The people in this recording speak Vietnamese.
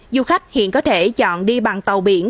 du khách hiện có thể chọn đi bằng tàu biển